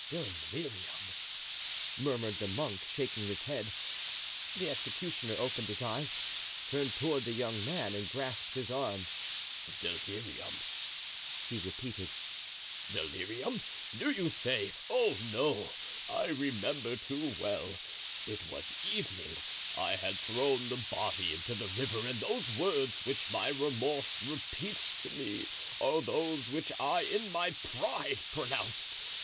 '" "Delirium!" murmured the monk, shaking his head. The executioner opened his eyes, turned toward the young man and grasped his arm. "'Delirium,'" he repeated; "'delirium,' do you say? Oh, no! I remember too well. It was evening; I had thrown the body into the river and those words which my remorse repeats to me are those which I in my pride pronounced.